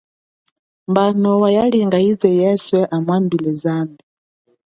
Mba noa yalinga yize yeswe amwambile zambi.